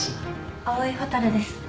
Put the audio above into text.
蒼井蛍です。